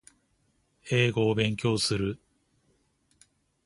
英語を勉強する